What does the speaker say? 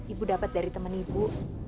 ibu dapat dari teman ibu